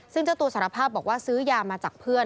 ซึ่งเจ้าตัวสารภาพบอกว่าซื้อยามาจากเพื่อน